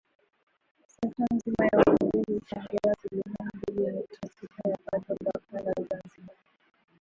Sekta nzima ya uvuvi huchangia asilimia mbili nukta sita ya pato ghafi la Zanzibar